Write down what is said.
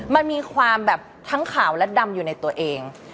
มันมีความแบบทั้งขาวและดำอยู่ในตัวเอง